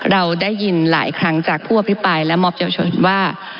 เราได้ยินหลายครั้งจากผู้อภิปรายและมอบเยาวชนว่า